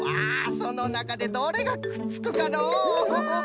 そのなかでどれがくっつくかのう？